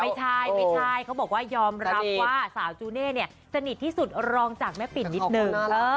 ไม่ใช่ไม่ใช่เขาบอกว่ายอมรับว่าสาวจูเน่เนี่ยสนิทที่สุดรองจากแม่ปิ่นนิดนึง